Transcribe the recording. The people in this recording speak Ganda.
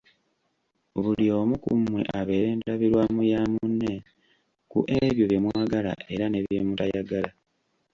Buli omu ku mmwe abeere "ndabirwamu" ya munne ku ebyo bye mwagala era ne byemutayagala.